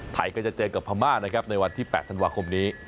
ไทยก็จะเจอกับพม่านะครับในวันที่๘ธันวาคมนี้